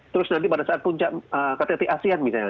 terus nanti pada saat puncak ktt asean misalnya